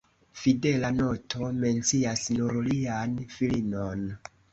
Fidela noto mencias nur lian filinon.